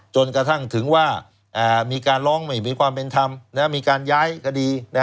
จนกระทั่งถึงว่ามีการร้องไม่มีความเป็นธรรมมีการย้ายคดี